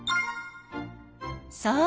そう。